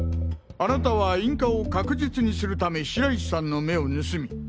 あなたは引火を確実にするため白石さんの目を盗み